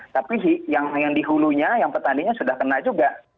tapi yang dihulunya yang petaninya sudah kena juga